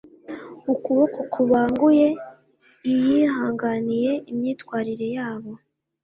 Ukuboko kubanguye i yihanganiye imyifatire yabo